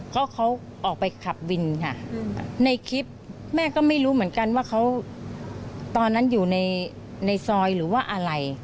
เพราะเขาออกไปขับวินค่ะในคลิปแม่ก็ไม่รู้เหมือนกันว่าเขาตอนนั้นอยู่ในซอยหรือว่าอะไร